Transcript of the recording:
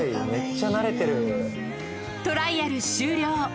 トライアル終了